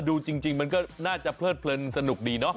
ดูจริงมันก็น่าจะเพลิดเพลินสนุกดีเนาะ